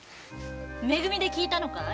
め組で聞いたの？